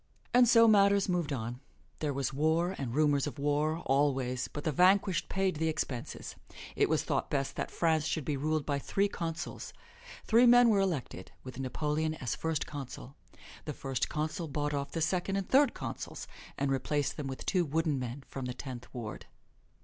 And so matters moved on. There was war, and rumors of war, alway; but the vanquished paid the expenses. It was thought best that France should be ruled by three consuls. Three men were elected, with Napoleon as First Consul. The First Consul bought off the Second and Third Consuls and replaced them with two wooden men from the Tenth Ward.